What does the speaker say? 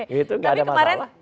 gitu gak ada masalah